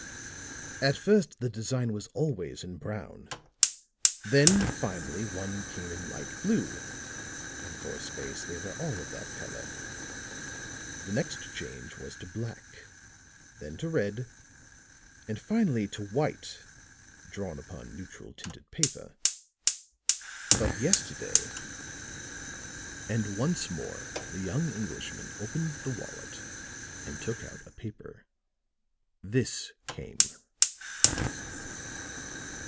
"At first the design was always in brown. Then, finally, one came in light blue, and for a space they were all of that color. The next change was to black, then to red, and finally to white drawn upon neutral tinted paper. But yesterday," and once more the young Englishman opened the wallet and took out a paper, "this came."